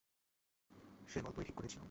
সেই গল্পই ঠিক করছিলাম।